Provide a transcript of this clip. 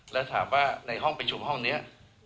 แล้วถามว่าในห้องประชุมห้องนี้